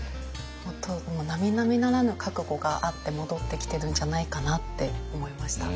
もうなみなみならぬ覚悟があって戻ってきてるんじゃないかなって思いました。